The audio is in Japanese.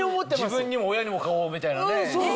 自分にも親にも買おうみたいなね。